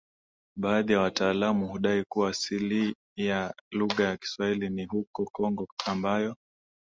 Baadhi ya wataalamu hudai kuwa asili ya lugha ya Kiswahili ni huko Kongo ambayo